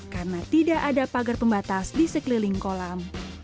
karena tidak ada pagar pembatas di sekeliling kolam